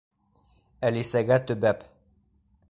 Әлисәгә төбәп.